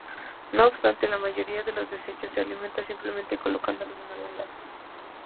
No obstante, la mayoría de los desechos se elimina simplemente colocándolos en algún lado.